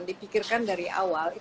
dipikirkan dari awal